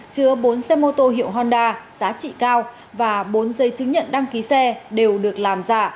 chứa bốn xe mô tô hiệu honda giá trị cao và bốn giấy chứng nhận đăng ký xe đều được làm giả